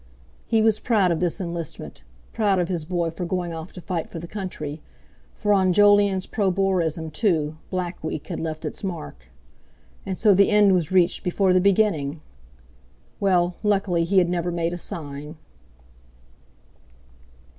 He was proud of this enlistment; proud of his boy for going off to fight for the country; for on Jolyon's pro Boerism, too, Black Week had left its mark. And so the end was reached before the beginning! Well, luckily he had never made a sign!